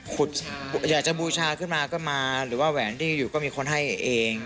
อยากจะบูชาขึ้นมาก็มาหรือว่าแหวนที่อยู่ก็มีคนให้เอง